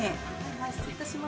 前失礼いたします。